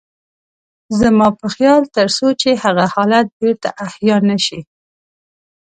زما په خيال تر څو چې هغه حالت بېرته احيا نه شي.